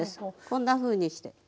こんなふうにして。